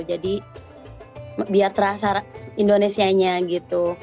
jadi biar terasa indonesia nya gitu